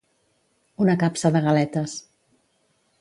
Una capsa de galetes.